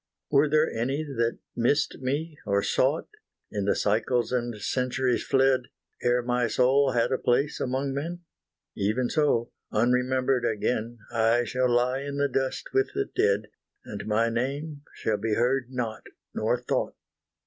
Were there any that missed me, or sought, In the cycles and centuries fled. Ere my soul had a place among men? Even so, unremembered again I shall lie in the dust with the dead, And my name shall be heard not, nor thought.